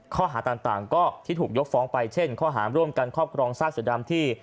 ข้อหาต่างก็ที่ถูกยกฟ้องไปเช่นข้อหาร่วมกันครอบครองซากเสือดำที่